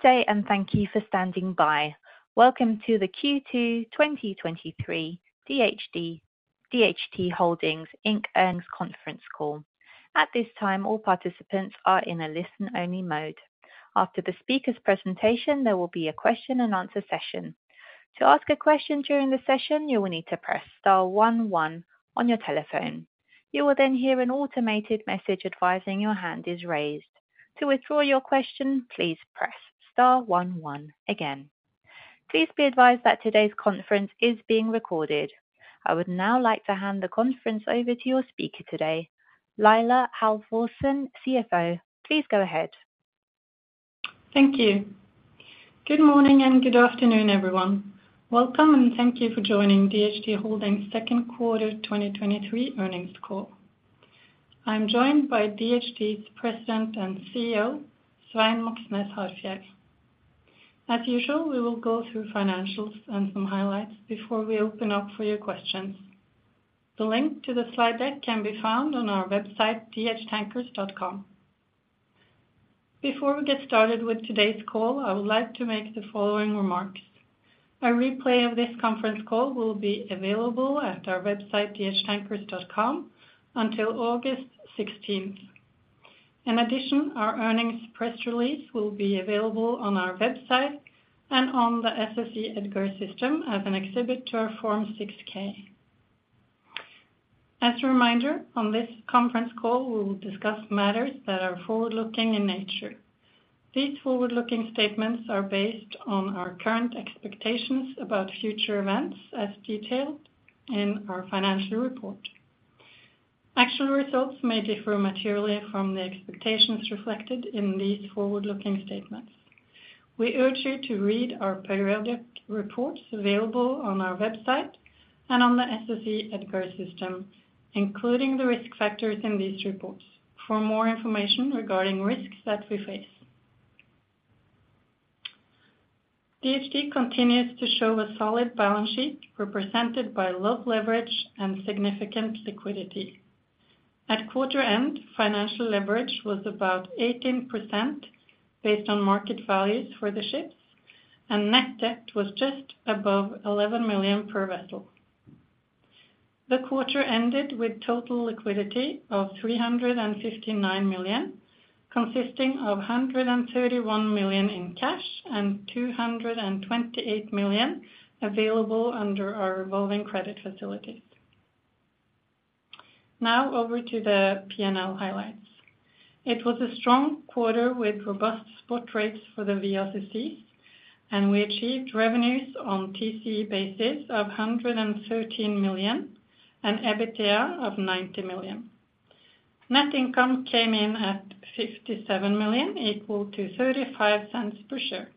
Good day. Thank you for standing by. Welcome to the Q2 2023 DHT, DHT Holdings, Inc. earnings conference call. At this time, all participants are in a listen-only mode. After the speaker's presentation, there will be a question and answer session. To ask a question during the session, you will need to press star one one on your telephone. You will hear an automated message advising your hand is raised. To withdraw your question, please press star one one again. Please be advised that today's conference is being recorded. I would now like to hand the conference over to your speaker today, Laila Halvorsen, CFO. Please go ahead. Thank you. Good morning, and good afternoon, everyone. Welcome, and thank you for joining DHT Holdings second quarter 2023 earnings call. I'm joined by DHT's President and CEO, Svein Moxnes Harfjeld. As usual, we will go through financials and some highlights before we open up for your questions. The link to the slide deck can be found on our website, dhtankers.com. Before we get started with today's call, I would like to make the following remarks. A replay of this conference call will be available at our website, dhtankers.com, until August 16th. In addition, our earnings press release will be available on our website and on the SEC EDGAR system as an exhibit to our Form 6-K. As a reminder, on this conference call, we will discuss matters that are forward-looking in nature. These forward-looking statements are based on our current expectations about future events, as detailed in our financial report. Actual results may differ materially from the expectations reflected in these forward-looking statements. We urge you to read our periodic reports available on our website and on the SEC EDGAR system, including the risk factors in these reports, for more information regarding risks that we face. DHT continues to show a solid balance sheet, represented by low leverage and significant liquidity. At quarter end, financial leverage was about 18% based on market values for the ships, and net debt was just above $11 million per vessel. The quarter ended with total liquidity of $359 million, consisting of $131 million in cash and $228 million available under our revolving credit facilities. Now over to the P&L highlights. It was a strong quarter with robust spot rates for the VLCC. We achieved revenues on TC basis of $113 million and EBITDA of $90 million. Net income came in at $57 million, equal to $0.35 per share.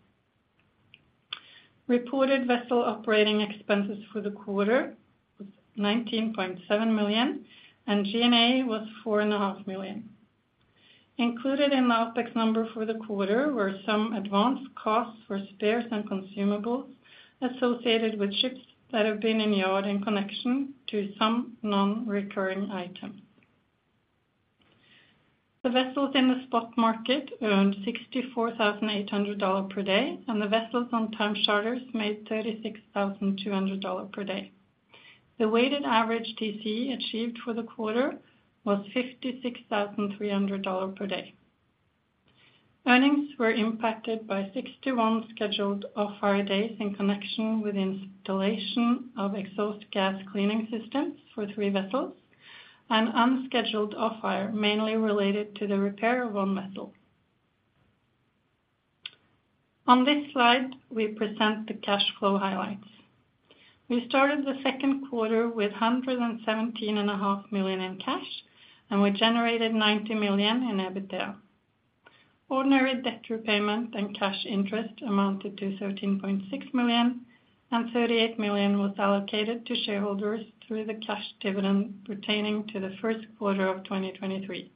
Reported vessel operating expenses for the quarter was $19.7 million. G&A was $4.5 million. Included in the OpEx number for the quarter were some advanced costs for spares and consumables associated with ships that have been in yard in connection to some non-recurring items. The vessels in the spot market earned $64,800 per day. The vessels on time charters made $36,200 per day. The weighted average TC achieved for the quarter was $56,300 per day. Earnings were impacted by 61 scheduled off-hire days in connection with installation of exhaust gas cleaning systems for three vessels and unscheduled off-hire, mainly related to the repair of one vessel. On this slide, we present the cash flow highlights. We started the second quarter with $117.5 million in cash, and we generated $90 million in EBITDA. Ordinary debt repayment and cash interest amounted to $13.6 million, and $38 million was allocated to shareholders through the cash dividend pertaining to the first quarter of 2023.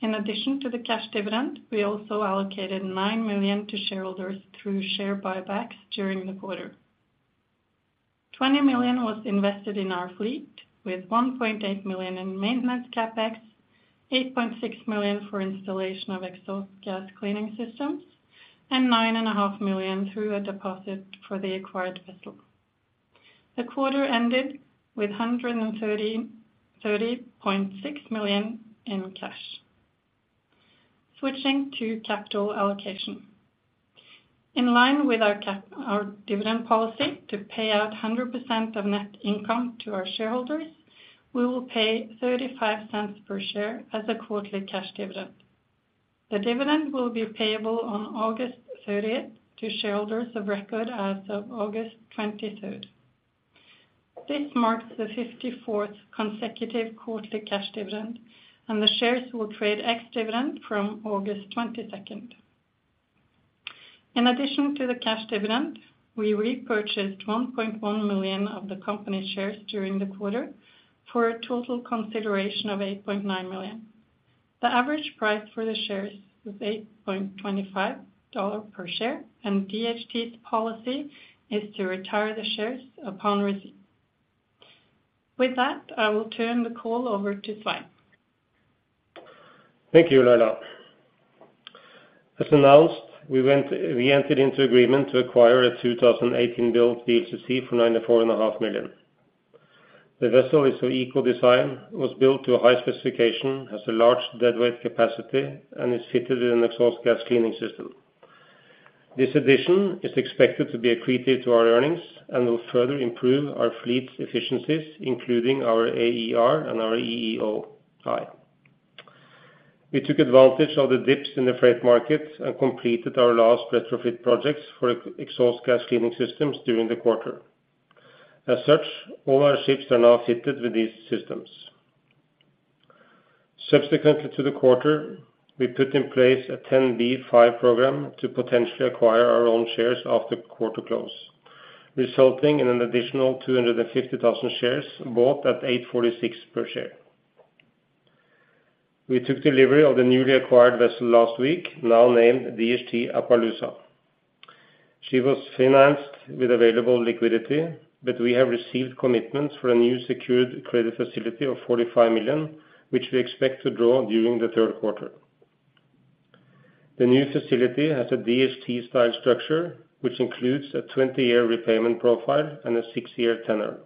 In addition to the cash dividend, we also allocated $9 million to shareholders through share buybacks during the quarter. $20 million was invested in our Fleet, with $1.8 million in maintenance CapEx, $8.6 million for installation of exhaust gas cleaning systems. $9.5 million through a deposit for the acquired vessel. The quarter ended with $130.6 million in cash. Switching to capital allocation. In line with our dividend policy to pay out 100% of net income to our shareholders, we will pay $0.35 per share as a quarterly cash dividend. The dividend will be payable on August 30th to shareholders of record as of August 23rd. This marks the 54th consecutive quarterly cash dividend, and the shares will trade ex-dividend from August 22nd. In addition to the cash dividend, we repurchased $1.1 million of the company shares during the quarter for a total consideration of $8.9 million. The average price for the shares was $8.25 per share. DHT's policy is to retire the shares upon receipt. With that, I will turn the call over to Svein. Thank you, Laila. As announced, we entered into agreement to acquire a 2018 build VLCC for $94.5 million. The vessel is of equal design, was built to a high specification, has a large deadweight capacity, and is fitted with an exhaust gas cleaning system. This addition is expected to be accretive to our earnings and will further improve our Fleet's efficiencies, including our AER and our EEOI. We took advantage of the dips in the freight market and completed our last retrofit projects for exhaust gas cleaning systems during the quarter. As such, all our ships are now fitted with these systems. Subsequently to the quarter, we put in place a 10b5-1 program to potentially acquire our own shares after quarter close, resulting in an additional 250,000 shares, bought at $8.46 per share. We took delivery of the newly acquired vessel last week, now named DHT Appaloosa. We have received commitments for a new secured credit facility of $45 million, which we expect to draw during the third quarter. The new facility has a DHT-style structure, which includes a 20-year repayment profile and a six-year tenor.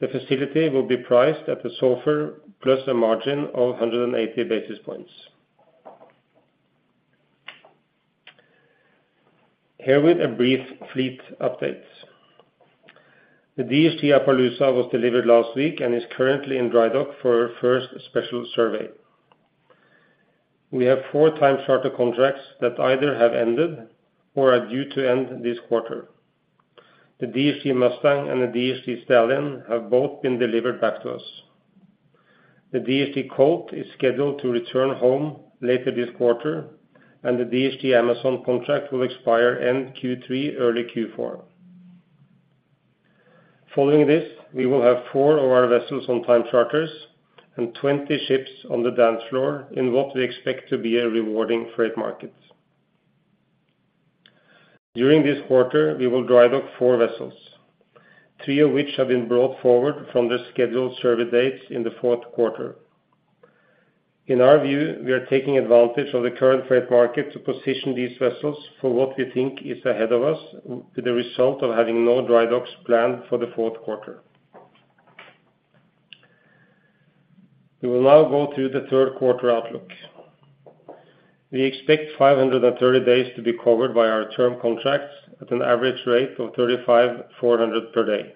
The facility will be priced at the SOFR plus a margin of 180 basis points. Here with a brief Fleet update. The DHT Appaloosa was delivered last week and is currently in dry dock for her first special survey. We have four time charter contracts that either have ended or are due to end this quarter. The DHT Mustang and the DHT Stallion have both been delivered back to us. The DHT Colt is scheduled to return home later this quarter, and the DHT Amazon contract will expire end Q3, early Q4. Following this, we will have four of our vessels on time charters and 20 ships on the dance floor in what we expect to be a rewarding freight market. During this quarter, we will dry dock four vessels, three of which have been brought forward from the scheduled survey dates in the fourth quarter. In our view, we are taking advantage of the current freight market to position these vessels for what we think is ahead of us, with the result of having no dry docks planned for the fourth quarter. We will now go through the third quarter outlook. We expect 530 days to be covered by our term contracts at an average rate of $35,400 per day.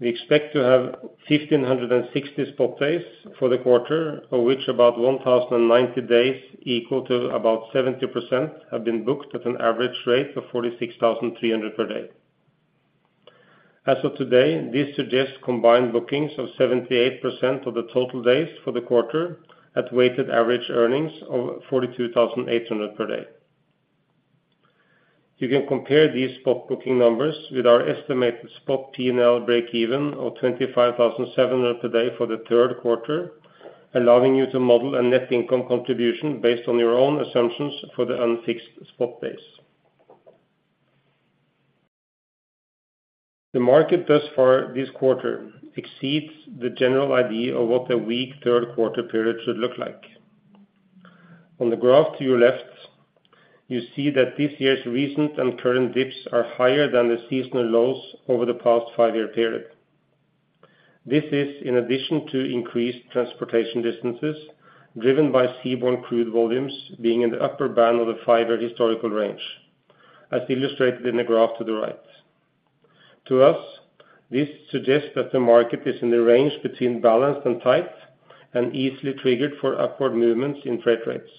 We expect to have 1,560 spot days for the quarter, of which about 1,090 days, equal to about 70%, have been booked at an average rate of $46,300 per day. As of today, this suggests combined bookings of 78% of the total days for the quarter at weighted average earnings of $42,800 per day. You can compare these spot booking numbers with our estimated spot P&L breakeven of $25,700 per day for the third quarter, allowing you to model a net income contribution based on your own assumptions for the unfixed spot days. The market thus far this quarter exceeds the general idea of what a weak third quarter period should look like. On the graph to your left, you see that this year's recent and current dips are higher than the seasonal lows over the past five-year period. This is in addition to increased transportation distances, driven by seaborne crude volumes being in the upper band of the five-year historical range, as illustrated in the graph to the right. To us, this suggests that the market is in the range between balanced and tight and easily triggered for upward movements in freight rates.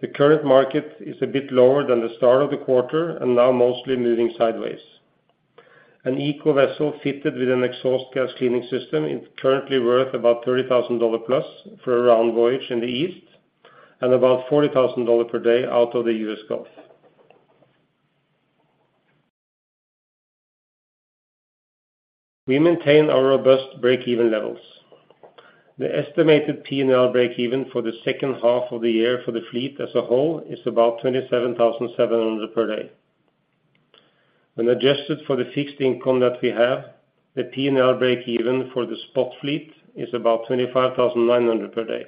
The current market is a bit lower than the start of the quarter and now mostly moving sideways. An eco vessel fitted with an exhaust gas cleaning system is currently worth about $30,000+ for a round voyage in the east and about $40,000 per day out of the U.S. Gulf. We maintain our robust breakeven levels. The estimated P&L breakeven for the second half of the year for the Fleet as a whole is about $27,700 per day. When adjusted for the fixed income that we have, the P&L breakeven for the spot Fleet is about $25,900 per day.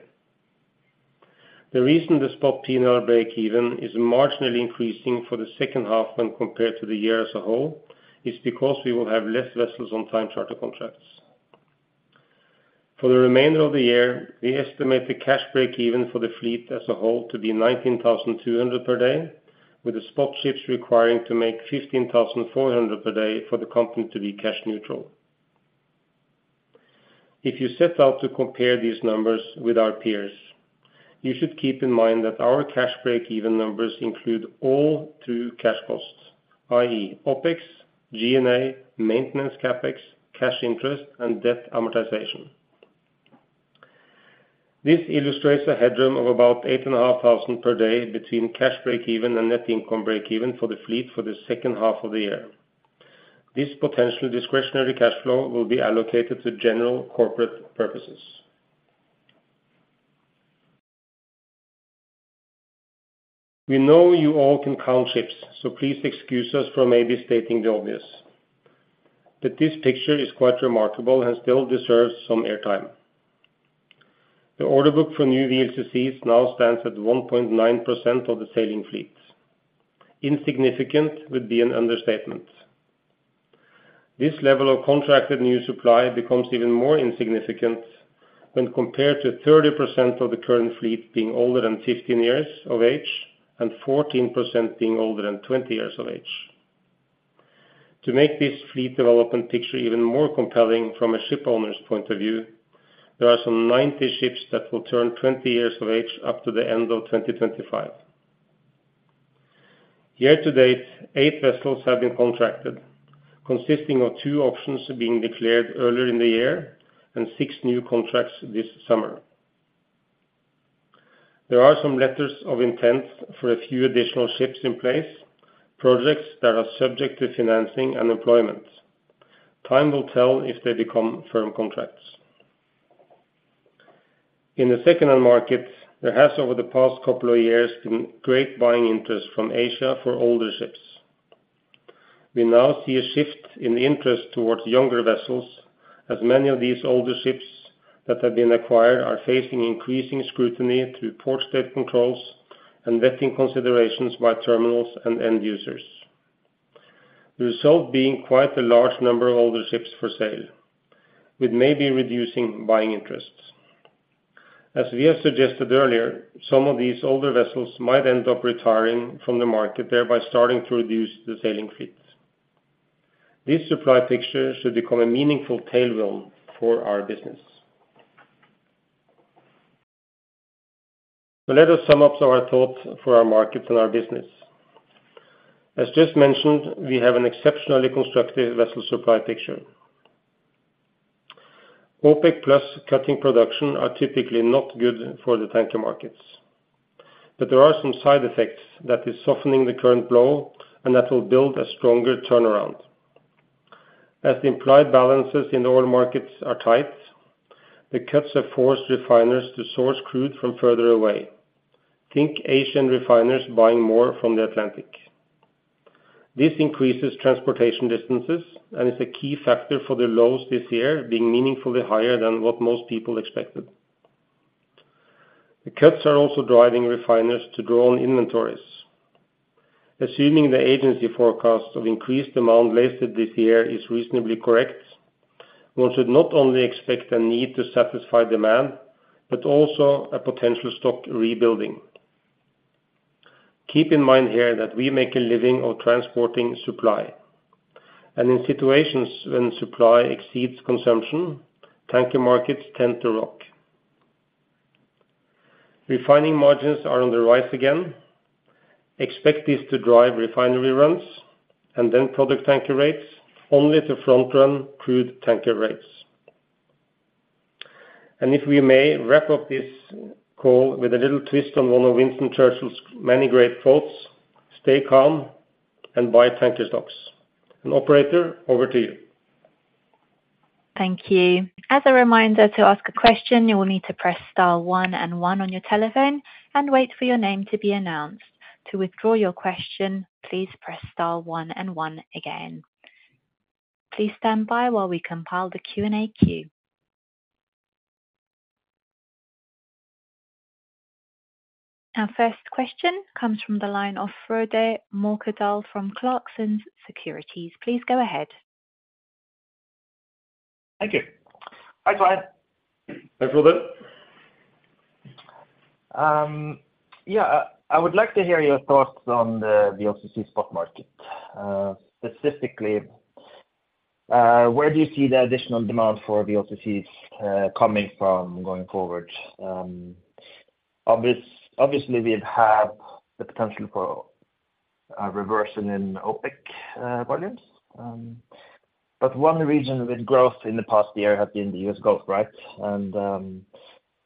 The reason the spot P&L breakeven is marginally increasing for the second half when compared to the year as a whole, is because we will have less vessels on time charter contracts. For the remainder of the year, we estimate the cash breakeven for the Fleet as a whole to be $19,200 per day, with the spot ships requiring to make $15,400 per day for the company to be cash neutral. If you set out to compare these numbers with our peers, you should keep in mind that our cash breakeven numbers include all true cash costs, i.e., OpEx, G&A, maintenance CapEx, cash interest, and debt amortization. This illustrates a headroom of about $8,500 per day between cash breakeven and net income breakeven for the Fleet for the second half of the year. This potential discretionary cash flow will be allocated to general corporate purposes. We know you all can count ships, please excuse us for maybe stating the obvious. This picture is quite remarkable and still deserves some airtime. The order book for new VLCCs now stands at 1.9% of the sailing Fleet. Insignificant would be an understatement. This level of contracted new supply becomes even more insignificant when compared to 30% of the current Fleet being older than 15 years of age and 14% being older than 20 years of age. To make this Fleet development picture even more compelling from a ship owner's point of view, there are some 90 ships that will turn 20 years of age up to the end of 2025. Year to date, eight vessels have been contracted, consisting of two options being declared earlier in the year and six new contracts this summer. There are some letters of intent for a few additional ships in place, projects that are subject to financing and employment. Time will tell if they become firm contracts. In the second-hand market, there has, over the past couple of years, been great buying interest from Asia for older ships. We now see a shift in interest towards younger vessels, as many of these older ships that have been acquired are facing increasing scrutiny through Port State Controls and vetting considerations by terminals and end users. The result being quite a large number of older ships for sale, with maybe reducing buying interests. As we have suggested earlier, some of these older vessels might end up retiring from the market, thereby starting to reduce the sailing Fleet. This supply picture should become a meaningful tailwind for our business. Let us sum up our thoughts for our market and our business. As just mentioned, we have an exceptionally constructive vessel supply picture. OPEC+ cutting production are typically not good for the tanker markets, but there are some side effects that is softening the current blow and that will build a stronger turnaround. As the implied balances in the oil markets are tight, the cuts have forced refiners to source crude from further away. Think Asian refiners buying more from the Atlantic. This increases transportation distances and is a key factor for the lows this year, being meaningfully higher than what most people expected. The cuts are also driving refiners to draw on inventories. Assuming the agency forecast of increased demand lasted this year is reasonably correct, one should not only expect a need to satisfy demand, but also a potential stock rebuilding. Keep in mind here that we make a living of transporting supply, and in situations when supply exceeds consumption, tanker markets tend to rock. Refining margins are on the rise again. Expect this to drive refinery runs and then product tanker rates only to front-run crude tanker rates. If we may, wrap up this call with a little twist on one of Winston Churchill's many great quotes: "Stay calm and buy tanker stocks." Operator, over to you. Thank you. As a reminder to ask a question, you will need to press star one and one on your telephone and wait for your name to be announced. To withdraw your question, please press star one and one again. Please stand by while we compile the Q&A queue. Our first question comes from the line of Frode Mørkedal from Clarksons Securities. Please go ahead. Thank you. Hi, Svein. Hi, Frode. Yeah, I, I would like to hear your thoughts on the VLCC spot market. Specifically, where do you see the additional demand for VLCCs coming from going forward? Obviously, we have the potential for a reversion in OPEC volumes, one region with growth in the past year have been the U.S. Gulf, right?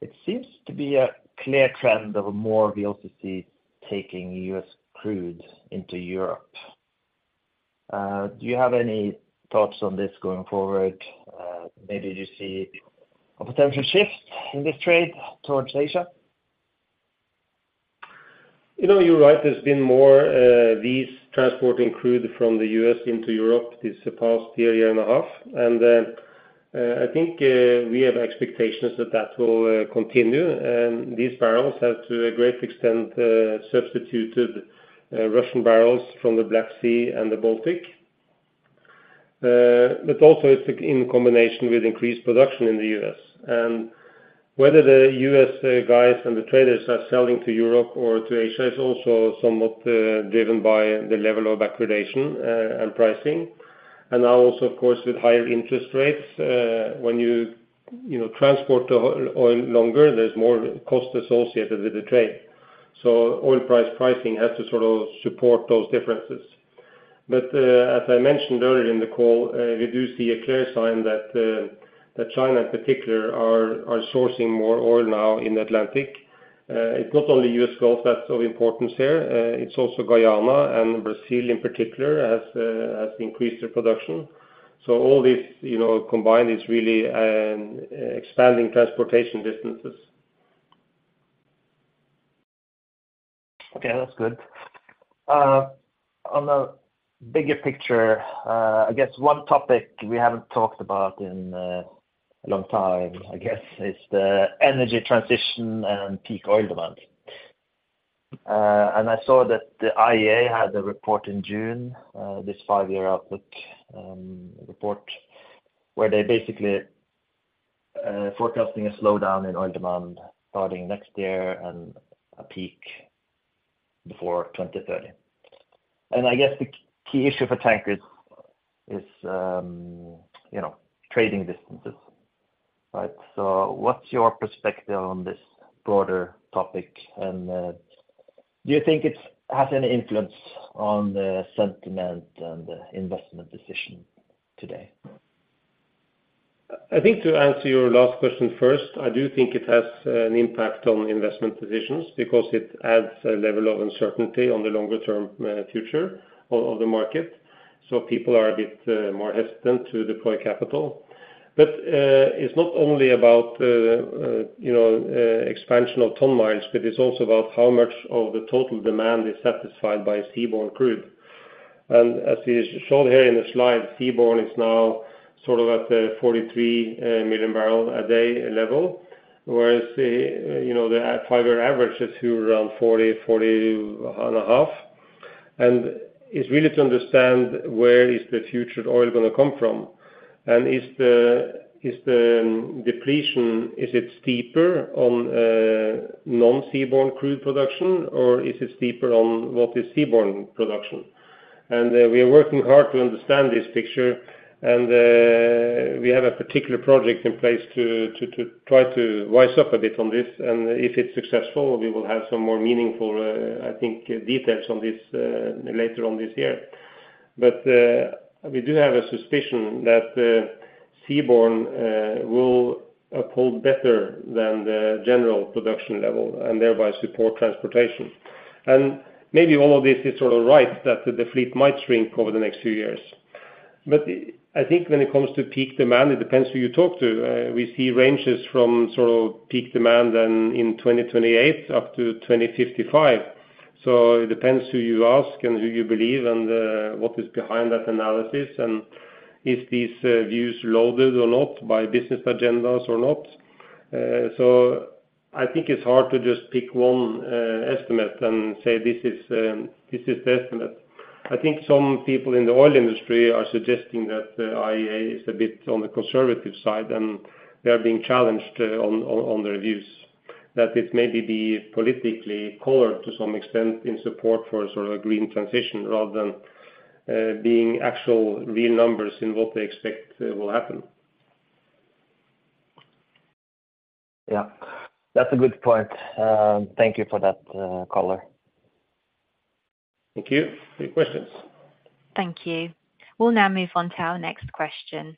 It seems to be a clear trend of more VLCC taking U.S. crude into Europe. Do you have any thoughts on this going forward? Maybe you see a potential shift in this trade towards Asia? You know, you're right. There's been more, these transporting crude from the U.S. into Europe this past year, year and a half. I think we have expectations that that will continue. These barrels have, to a great extent, substituted Russian barrels from the Black Sea and the Baltic. Also it's in combination with increased production in the U.S. Whether the U.S. guys and the traders are selling to Europe or to Asia is also somewhat driven by the level of accreditation and pricing. Now also, of course, with higher interest rates, when you, you know, transport the oil longer, there's more cost associated with the trade. Oil price pricing has to sort of support those differences. As I mentioned earlier in the call, we do see a clear sign that China in particular are, are sourcing more oil now in Atlantic. It's not only U.S. Gulf that's of importance here, it's also Guyana and Brazil in particular, has increased their production. All this, you know, combined is really expanding transportation distances. Okay, that's good. On the bigger picture, I guess one topic we haven't talked about in a, a long time, I guess, is the energy transition and peak oil demand. I saw that the IEA had a report in June, this five-year output report, where they basically, forecasting a slowdown in oil demand starting next year and a peak before 2030. I guess the key issue for tankers is, you know, trading distances, right? What's your perspective on this broader topic, and, do you think it's has any influence on the sentiment and investment decision today? I think to answer your last question first, I do think it has an impact on investment decisions because it adds a level of uncertainty on the longer term, future of, of the market. So people are a bit more hesitant to deploy capital. It's not only about, you know, expansion of ton miles, but it's also about how much of the total demand is satisfied by seaborne crude. As is shown here in the slide, seaborne is now sort of at the 43 million barrel a day level, whereas the, you know, the five-year average is to around 40, 40.5. It's really to understand where is the future oil gonna come from? Is the, is the depletion, is it steeper on non-seaborne crude production, or is it steeper on what is seaborne production? We are working hard to understand this picture, and we have a particular project in place to, to, to try to wise up a bit on this, and if it's successful, we will have some more meaningful, I think, details on this later on this year. We do have a suspicion that the seaborne will uphold better than the general production level and thereby support transportation. Maybe all of this is sort of right, that the Fleet might shrink over the next few years. I think when it comes to peak demand, it depends who you talk to. We see ranges from sort of peak demand in, in 2028 up to 2055. It depends who you ask and who you believe. What is behind that analysis, and is these views loaded or not by business agendas or not. I think it's hard to just pick one estimate and say, this is, this is the estimate. I think some people in the oil industry are suggesting that the IEA is a bit on the conservative side. They are being challenged on the reviews. It may be politically colored to some extent in support for sort of a green transition, rather than being actual real numbers in what they expect will happen. Yeah, that's a good point. Thank you for that, color. Thank you. Any questions? Thank you. We'll now move on to our next question.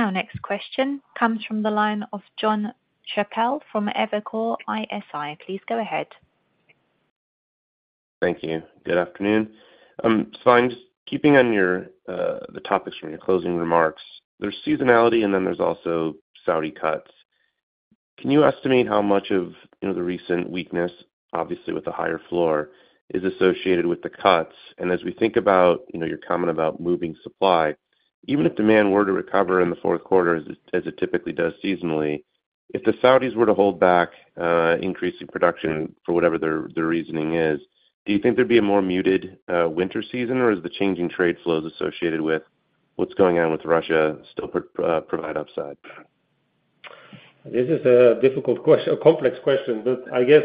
Our next question comes from the line of John Chappell from Evercore ISI. Please go ahead. Thank you. Good afternoon. I'm just keeping on your, the topics from your closing remarks. There's seasonality, then there's also Saudi cuts. Can you estimate how much of, you know, the recent weakness, obviously with the higher floor, is associated with the cuts? As we think about, you know, your comment about moving supply, even if demand were to recover in the fourth quarter, as it, as it typically does seasonally, if the Saudi is were to hold back, increasing production for whatever their, their reasoning is, do you think there'd be a more muted, winter season, or is the changing trade flows associated with what's going on with Russia still provide upside? This is a difficult, a complex question. I guess,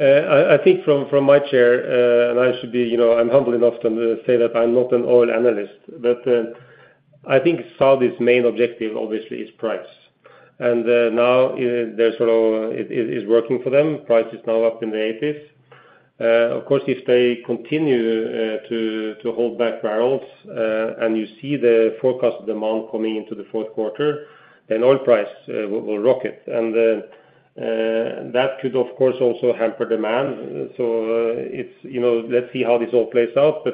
I think from my chair, and I should be, you know, I'm humble enough to say that I'm not an oil analyst, but I think Saudi's main objective obviously is price. Now they're sort of, it is working for them. Price is now up in the 80s. Of course, if they continue to hold back barrels, and you see the forecast demand coming into the fourth quarter, then oil price will rocket. That could, of course, also hamper demand. It's, you know, let's see how this all plays out.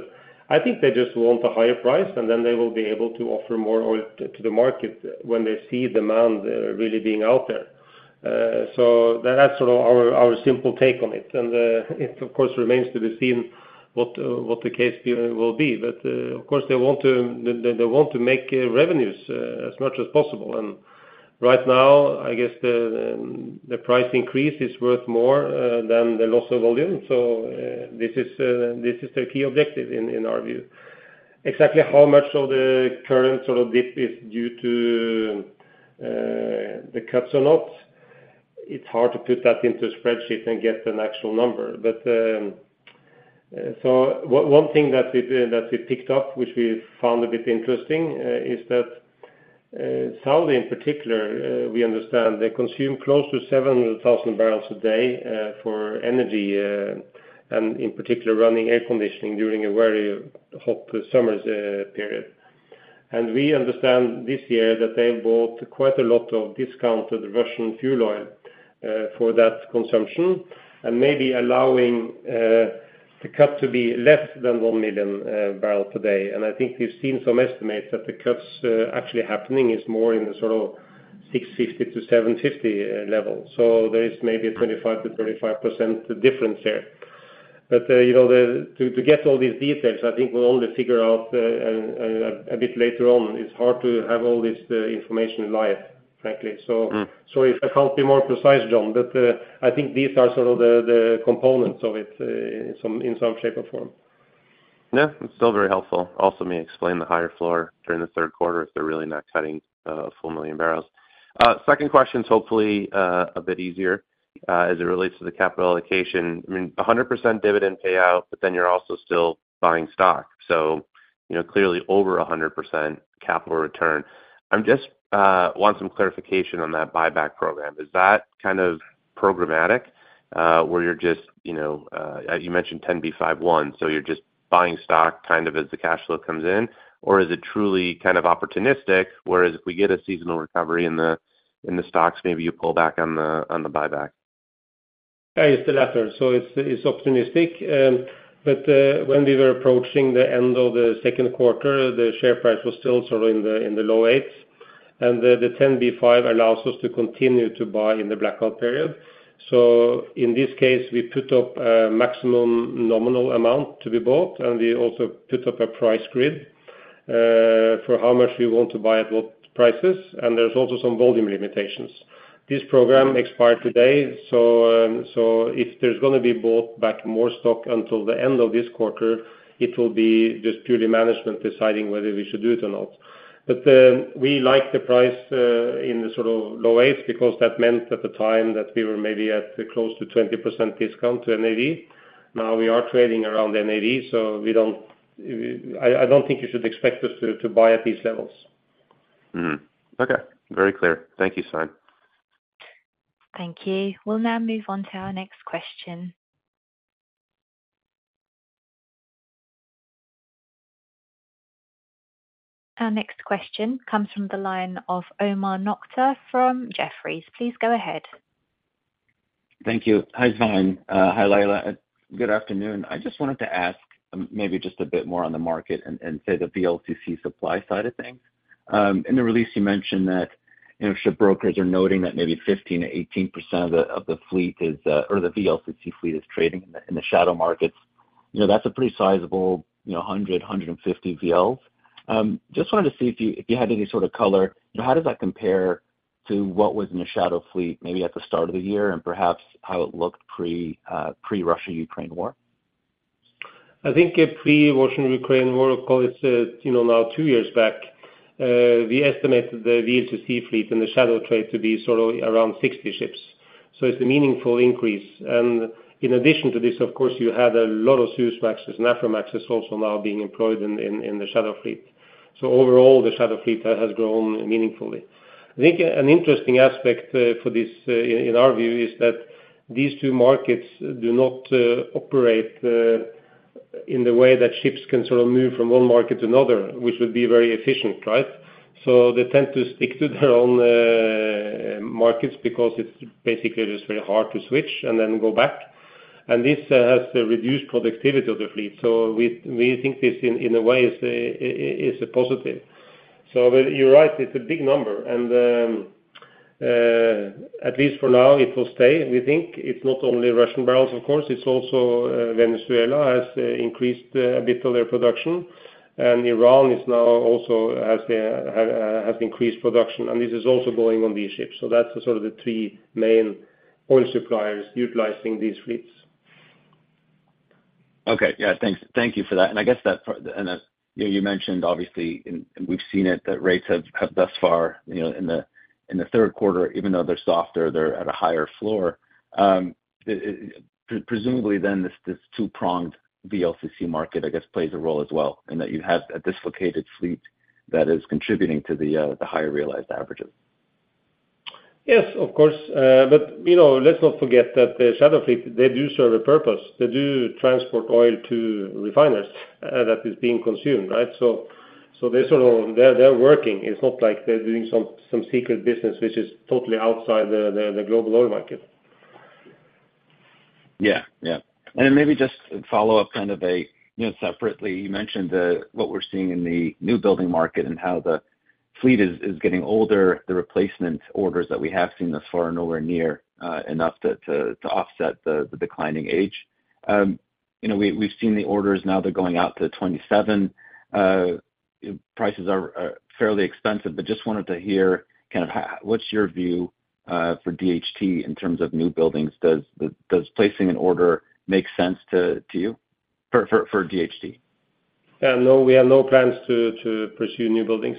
I think they just want a higher price, and then they will be able to offer more oil to the market when they see demand, really being out there. That's sort of our, our simple take on it. It of course, remains to be seen what, what the case view will be. Of course, they want to, they, they want to make revenues, as much as possible. Right now, I guess the, the price increase is worth more, than the loss of volume. This is, this is the key objective in, in our view. Exactly how much of the current sort of dip is due to, the cuts or not? It's hard to put that into a spreadsheet and get an actual number. One thing that we, that we picked up, which we found a bit interesting, is that Saudi in particular, we understand they consume close to 700,000 barrels a day for energy, and in particular, running air conditioning during a very hot summer period. We understand this year that they bought quite a lot of discounted Russian fuel oil for that consumption, and maybe allowing the cut to be less than 1 million barrel today. I think we've seen some estimates that the cuts actually happening is more in the sort of 650-750 level. There is maybe a 25%-35% difference there. You know, to get all these details, I think we'll only figure out a bit later on. It's hard to have all this information live, frankly. Mm. Sorry if I can't be more precise, John, but, I think these are sort of the, the components of it, in some, in some shape or form. Yeah, it's still very helpful. Also may explain the higher floor during the third quarter, if they're really not cutting, a full 1 million barrels. Second question's hopefully a bit easier, as it relates to the capital allocation. I mean, 100% dividend payout, but then you're also still buying stock. Clearly, you know, over 100% capital return. I'm just, want some clarification on that buyback program. Is that kind of programmatic, where you're just, you know, you mentioned 10b5-1, so you're just buying stock kind of as the cash flow comes in? Is it truly kind of opportunistic, whereas if we get a seasonal recovery in the, in the stocks, maybe you pull back on the, on the buyback? It's the latter, so it's, it's opportunistic. When we were approaching the end of the second quarter, the share price was still sort of in the, in the low eights, and the, the 10b5-1 allows us to continue to buy in the blackout period. In this case, we put up a maximum nominal amount to be bought, and we also put up a price grid, for how much we want to buy at what prices, and there's also some volume limitations. This program expired today, if there's going to be bought back more stock until the end of this quarter, it will be just purely management deciding whether we should do it or not. We like the price in the sort of low 8s, because that meant at the time that we were maybe at close to 20% discount to NAV. Now, we are trading around NAV, so I, I don't think you should expect us to, to buy at these levels. Okay. Very clear. Thank you, Svein. Thank you. We'll now move on to our next question. Our next question comes from the line of Omar Nokta from Jefferies. Please go ahead. Thank you. Hi, Svein. Hi, Laila. Good afternoon. I just wanted to ask maybe just a bit more on the market and, and say, the VLCC supply side of things. In the release, you mentioned that, you know, ship brokers are noting that maybe 15%-18% of the, of the Fleet is, or the VLCC Fleet is trading in the, in the shadow markets. You know, that's a pretty sizable, you know, 100-150 VLs. Just wanted to see if you, if you had any sort of color, you know, how does that compare to what was in the shadow Fleet, maybe at the start of the year, and perhaps how it looked pre- pre-Russia, Ukraine war? I think a pre-Russia, Ukraine war, of course, you know, now two years back, we estimated the VLCC Fleet in the shadow trade to be sort of around 60 ships. It's a meaningful increase. In addition to this, of course, you had a lot of Suezmaxes and Aframaxes also now being employed in the shadow Fleet. Overall, the shadow Fleet has grown meaningfully. I think an interesting aspect for this, in our view, is that these two markets do not operate in the way that ships can sort of move from one market to another, which would be very efficient, right? They tend to stick to their own markets, because it's basically just very hard to switch and then go back. This has reduced productivity of the Fleet. We, we think this in, in a way, is a positive. You're right, it's a big number, and, at least for now, it will stay, we think. It's not only Russian barrels, of course, it's also Venezuela has increased a bit of their production, and Iran is now also has increased production, and this is also going on these ships. That's the sort of the three main oil suppliers utilizing these Fleets. Okay. Yeah. Thanks-thank you for that. I guess that you mentioned obviously, and we've seen it, that rates have, have thus far, you know, in the, in the third quarter, even though they're softer, they're at a higher floor. Presumably then, this, this two-pronged VLCC market, I guess, plays a role as well, in that you have a dislocated Fleet that is contributing to the higher realized averages. Yes, of course. You know, let's not forget that the shadow Fleet, they do serve a purpose. They do transport oil to refiners, that is being consumed, right? So they're sort of, they're, they're working. It's not like they're doing some, some secret business which is totally outside the, the, the global oil market. Yeah. Yeah. Then maybe just follow up, kind of, you know, separately, you mentioned what we're seeing in the new building market and how the Fleet is getting older, the replacement orders that we have seen thus far are nowhere near enough to offset the declining age. You know, we've seen the orders now they're going out to 27. Prices are fairly expensive, just wanted to hear kind of what's your view for DHT in terms of new buildings? Does placing an order make sense to you for DHT? No, we have no plans to, to pursue new buildings.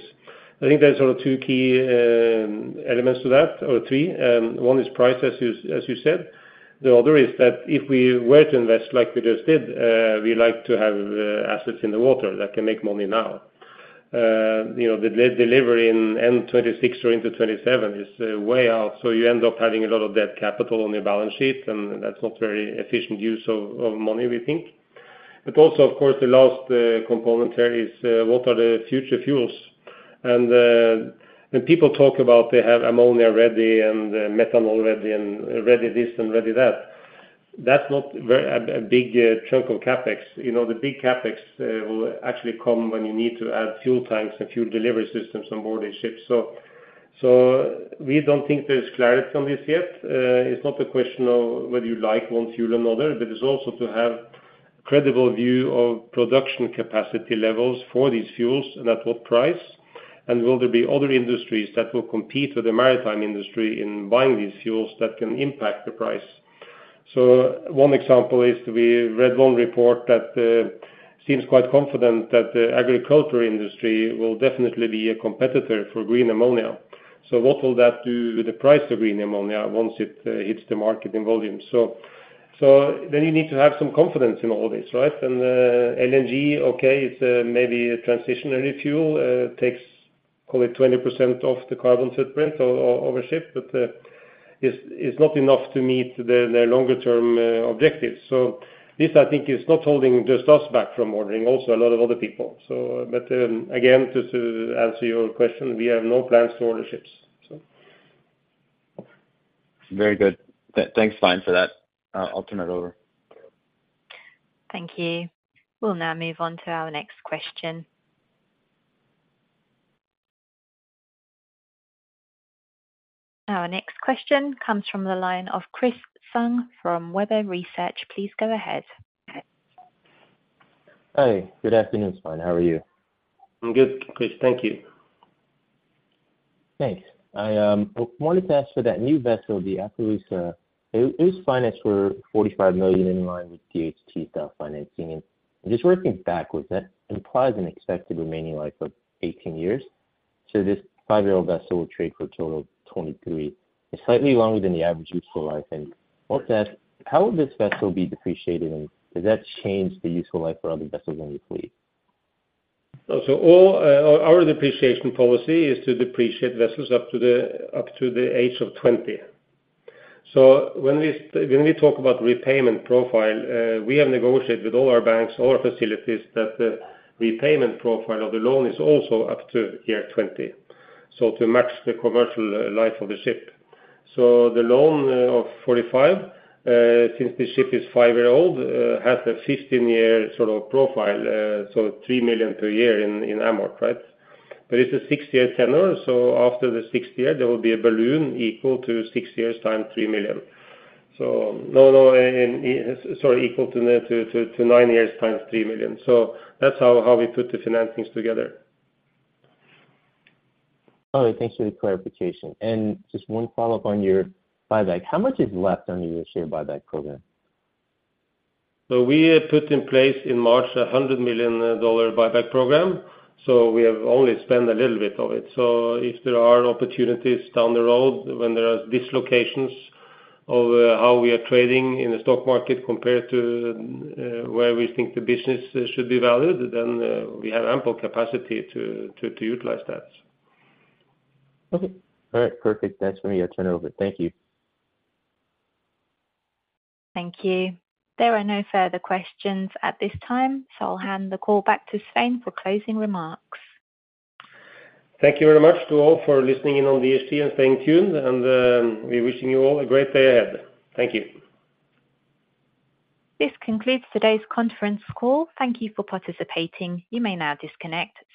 I think there's sort of two key elements to that, or three. One is price, as you, as you said. The other is that if we were to invest like we just did, we like to have assets in the water that can make money now. You know, the delivery in end 26 or into 27 is way out, so you end up having a lot of debt capital on your balance sheet, and that's not very efficient use of, of money, we think. Also, of course, the last component here is what are the future fuels? When people talk about they have Ammonia ready and Methanol ready, and ready this and ready that, that's not very a big chunk of CapEx. You know, the big CapEx will actually come when you need to add fuel tanks and fuel delivery systems on board these ships. So we don't think there's clarity on this yet. It's not a question of whether you like one fuel or another, but it's also to have credible view of production capacity levels for these fuels and at what price, and will there be other industries that will compete with the maritime industry in buying these fuels that can impact the price? One example is, we read one report that seems quite confident that the agriculture industry will definitely be a competitor for green ammonia. What will that do to the price of green ammonia once it hits the market in volume? Then you need to have some confidence in all this, right? LNG, okay, it's a maybe a transitionary fuel, takes call it 20% of the carbon footprint of a ship, but, it's not enough to meet the longer term objectives. This, I think, is not holding just us back from ordering, also a lot of other people. Again, just to answer your question, we have no plans to order ships. Very good. Thanks, Svein, for that. I'll turn it over. Thank you. We'll now move on to our next question. Our next question comes from the line of Chris Tsung from Webber Research. Please go ahead. Hi. Good afternoon, Svein. How are you? I'm good, Chris. Thank you. Thanks. I wanted to ask for that new vessel, the Appaloosa. It was financed for $45 million in line with DHT style financing. Just working backwards, that implies an expected remaining life of 18 years. So this five-year-old vessel will trade for a total of 23. It's slightly longer than the average useful life. Wanted to ask, how will this vessel be depreciated, and does that change the useful life for other vessels on your Fleet? All our depreciation policy is to depreciate vessels up to the age of 20. When we talk about repayment profile, we have negotiated with all our banks, all our facilities, that the repayment profile of the loan is also up to year 20, to match the commercial life of the ship. The loan of $45 million, since the ship is five-year-old, has a 15-year sort of profile, so $3 million per year in amort, right? It's a six-year tenor, after the 6th year, there will be a balloon equal to six years times $3 million. No, sorry, equal to nine years times $3 million. That's how we put the financings together. All right, thank you for the clarification. Just one follow-up on your buyback. How much is left on your share buyback program? We put in place in March, a $100 million buyback program, so we have only spent a little bit of it. If there are opportunities down the road when there are dislocations of how we are trading in the stock market compared to where we think the business should be valued, then we have ample capacity to, to, to utilize that. Okay. All right, perfect. That's for me. I turn it over. Thank you. Thank you. There are no further questions at this time, so I'll hand the call back to Svein for closing remarks. Thank you very much to all for listening in on DHT and staying tuned, we're wishing you all a great day ahead. Thank you. This concludes today's conference call. Thank you for participating. You may now disconnect.